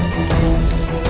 ada apaan sih